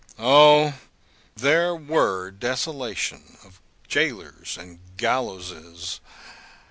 O, there were desolation of gaolers and gallowses!